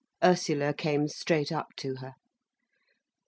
Ursula came straight up to her.